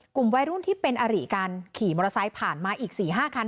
กลุ่มวัยรุ่นที่เป็นอริกันขี่มอเตอร์ไซค์ผ่านมาอีก๔๕คัน